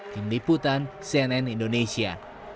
tim diputan cnn indonesia